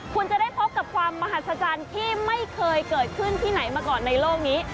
คุณจะได้พบกับความมหัศจรรย์ที่ไม่เคยเกิดขึ้นที่ไหนมาก่อนในโลกนี้